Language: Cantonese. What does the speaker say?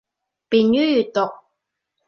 便于阅读